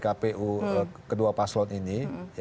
kpu kedua paslon ini